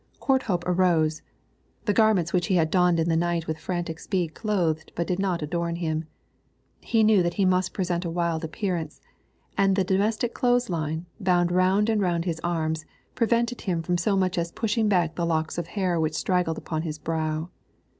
Courthope arose; the garments which he had donned in the night with frantic speed clothed but did not adorn him; he knew that he must present a wild appearance, and the domestic clothes line, bound round and round his arms, prevented him from so much as pushing back the locks of hair which straggled upon his brow.